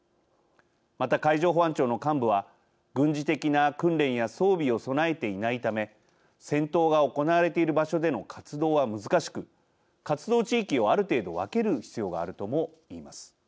また海上保安庁の幹部は軍事的な訓練や装備を備えていないため戦闘が行われている場所での活動は難しく、活動地域をある程度、分ける必要があるとも言います。